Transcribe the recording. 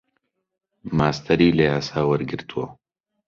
ماستەری لە یاسا وەرگرتووە.